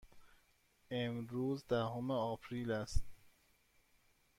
امروز دهم آپریل است.